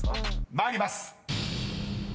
［参ります］